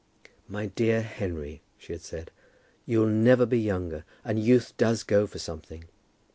"My dear Henry," she had said, "you'll never be younger, and youth does go for something.